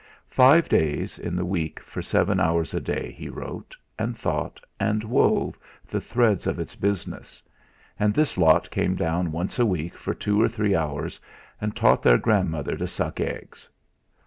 Five days in the week for seven hours a day he wrote, and thought, and wove the threads of its business, and this lot came down once a week for two or three hours, and taught their grandmother to suck eggs.